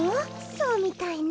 そうみたいね。